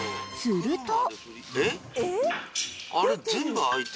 ［すると］